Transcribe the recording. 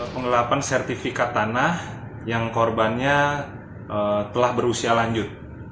pengelapan sertifikat tanah yang korbannya telah berusia lanjut